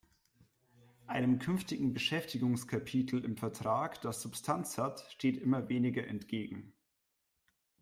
Einem künftigen Beschäftigungskapitel im Vertrag, das Substanz hat, steht immer weniger entgegen.